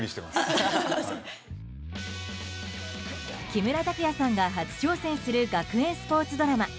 木村拓哉さんが初挑戦する学園スポーツドラマ。